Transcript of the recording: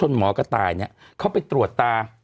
นะฮะ